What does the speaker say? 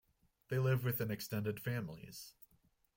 They live within extended families.